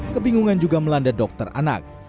kebingungan juga melanda dokter anak